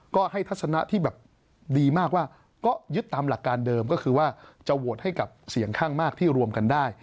ก็ให้ทัศนะที่แบบดีมากว่าก็ยึดตามหลักการเดิมก็คือว่าจะโหวตให้กับเสียงข้างมากที่รวมกันได้